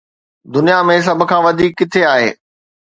دنيا ۾ سڀ کان وڌيڪ ڪٿي آهي؟